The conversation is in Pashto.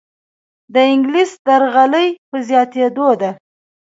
دانګلیس درغلۍ په زیاتیدو ده.